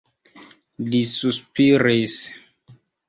Li suspiris.